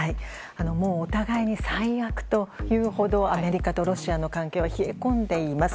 もうお互いに最悪というほどアメリカとロシアの関係は冷え込んでいます。